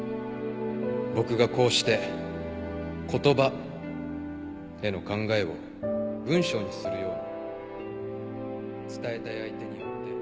僕がこうして「言葉」への考えを文章にするように伝えたい相手によって。